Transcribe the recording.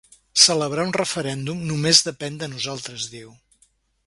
Celebrar un referèndum només depèn de nosaltres, diu.